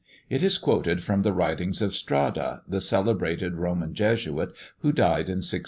It is quoted from the writings of Strada, the celebrated Roman Jesuit, who died in 1649.